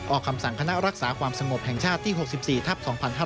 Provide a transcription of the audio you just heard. คำสั่งคณะรักษาความสงบแห่งชาติที่๖๔ทับ๒๕๕๙